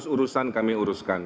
delapan ratus urusan kami uruskan